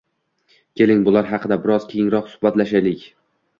Keling, bular haqida biroz kengroq suhbatlashaylik.